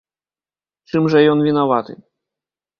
Чым жа ён вінаваты?